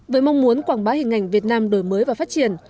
với mong muốn quảng bá hình ảnh việt nam đổi mới và phát triển